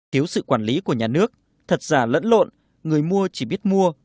thiếu sự quản lý của nhà nước thật giả lẫn lộn người mua chỉ biết mua